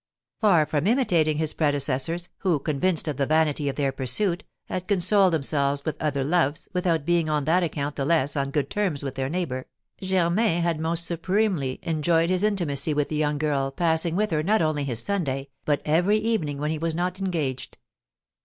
Far from imitating his predecessors, who, convinced of the vanity of their pursuit, had consoled themselves with other loves, without being on that account the less on good terms with their neighbour, Germain had most supremely enjoyed his intimacy with the young girl, passing with her not only his Sunday but every evening when he was not engaged.